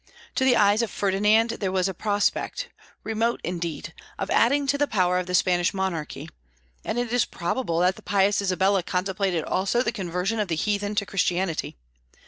To the eyes of Ferdinand there was a prospect remote, indeed of adding to the power of the Spanish monarchy; and it is probable that the pious Isabella contemplated also the conversion of the heathen to Christianity.